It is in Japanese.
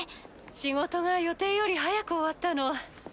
仕事が予定より早く終わったの。